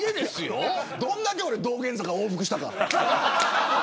俺どんだけ道玄坂往復したか。